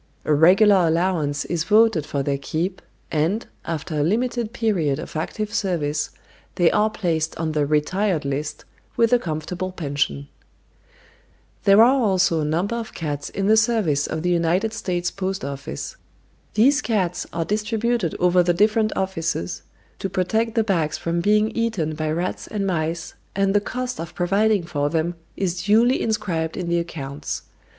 A regular allowance is voted for their keep, and, after a limited period of active service, they are placed on the "retired list," with a comfortable pension. There are also a number of cats in the service of the United States Post Office. These cats are distributed over the different offices to protect the bags from being eaten by rats and mice, and the cost of providing for them is duly inscribed in the accounts.